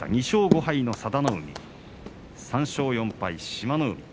２勝５敗、佐田の海３勝４敗、志摩ノ海。